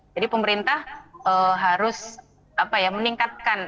jadi pemerintah harus meningkatkan